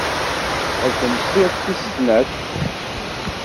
Teshel tamsirt tis snat.